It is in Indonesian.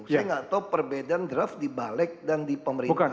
saya nggak tahu perbedaan draft di balik dan di pemerintah